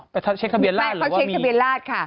ไปเช็คทะเบียนราช